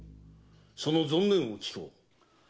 その存念を聞こう。